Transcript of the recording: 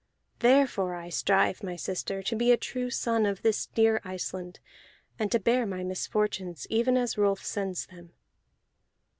Therefore I strive, my sister, to be a true son of this dear Iceland, and to bear my misfortunes even as Rolf sends them."